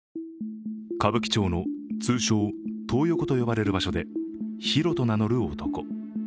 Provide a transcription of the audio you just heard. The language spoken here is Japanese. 歌舞伎町の通称・トー横と呼ばれる場所でヒロと名乗る男。